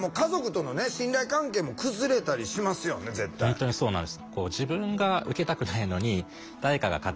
本当にそうなんです。